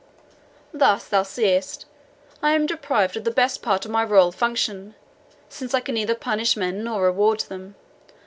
Thus, thou seest, I am deprived of the best part of my royal function, since I can neither punish men nor reward them.